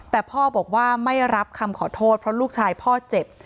แต่พ่อบอกว่าไม่รับคำขอโทษเพราะลูกชายพ่อเจ็บ